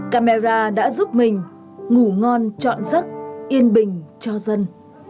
camera đã giúp mình ngủ ngon trọn giấc yên bình cho dân